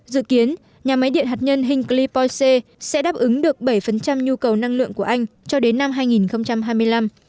dự kiến nhà máy điện hạt nhân hinkley poisey sẽ đáp ứng được bảy nhu cầu năng lượng của anh cho đến năm hai nghìn hai mươi năm